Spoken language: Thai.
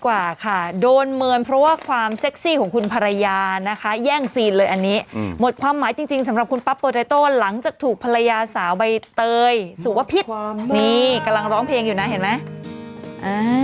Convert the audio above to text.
อันนี้อืมหมดความหมายจริงจริงสำหรับคุณปั๊บโปรไตโต้หลังจากถูกภรรยาสาวใบเตยสูงว่าพิษนี่กำลังร้องเพลงอยู่น่ะเห็นไหมอ่า